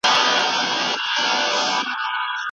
ایا تا خپل محصولات وپلورل؟